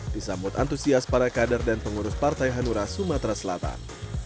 disambut antusias para kader dan pengurus partai hanura sumatera selatan